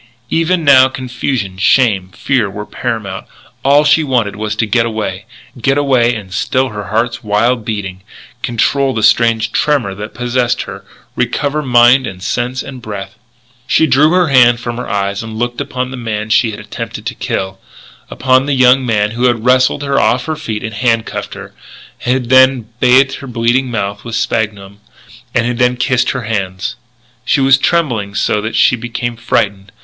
Even now confusion, shame, fear were paramount. All she wanted was to get away, get away and still her heart's wild beating, control the strange tremor that possessed her, recover mind and sense and breath. She drew her hand from her eyes and looked upon the man she had attempted to kill, upon the young man who had wrestled her off her feet and handcuffed her, and who had bathed her bleeding mouth with sphagnum, and who had kissed her hands She was trembling so that she became frightened.